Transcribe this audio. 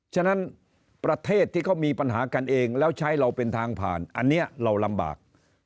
ฉะนั้นประเทศที่เขามีปัญหากันเองแล้วใช้เราเป็นทางผ่านอันนี้เราลำบาก